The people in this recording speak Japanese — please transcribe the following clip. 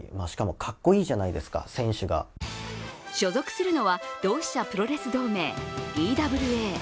所属するのは、同志社プロレス同盟、ＤＷＡ。